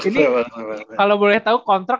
ini kalau boleh tahu kontrak